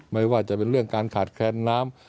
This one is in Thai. ไม่ว่าจะเป็นเรื่องการขาดแคลนน้ำ